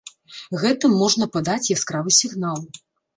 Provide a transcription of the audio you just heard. Гэтым можна падаць яскравы сігнал.